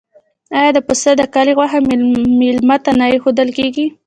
آیا د پسه د کلي غوښه میلمه ته نه ایښودل کیږي؟